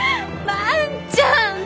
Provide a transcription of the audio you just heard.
万ちゃん！